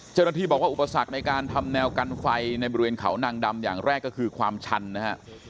เจ้าหน้าที่บอกว่าอุปสรรคในการทำแนวกันไฟในบริเวณเขานางดำอย่างแรกก็คือความชันนะฮะ